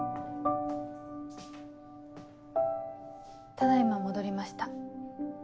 ただ今戻りました。